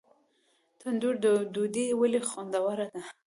تندور ډوډۍ ولې خوندوره ده؟